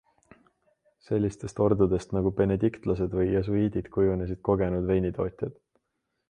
Sellistest ordudest nagu benediktlased või jesuiidid kujunesid kogenud veinitootjad.